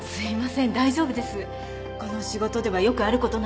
この仕事ではよくあることなんです。